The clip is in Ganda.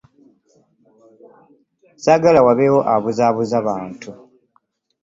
Ssaagala wabeewo abuzaabuza bantu.